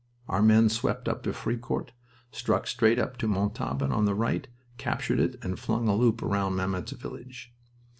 Our men swept up to Fricourt, struck straight up to Montauban on the right, captured it, and flung a loop round Mametz village.